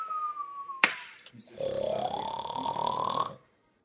Lokalita je proto z bezpečnostních důvodů pro veřejnost uzavřena.